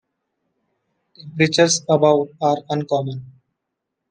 Temperatures above are uncommon.